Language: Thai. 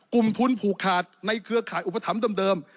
กลุ่มทุนผูกขาดในเครือข่ายอุปถัมภ์เดิม